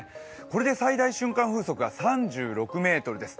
これで最大瞬間風速が３６メートルです。